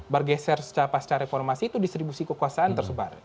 bergeser pasca reformasi itu distribusi kekuasaan tersebar